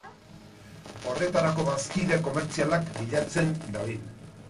Horretarako, bazkide komertzialak bilatzen dabil.